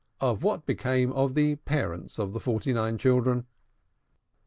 OF WHAT BECAME OF THE PARENTS OF THE FORTY NINE CHILDREN.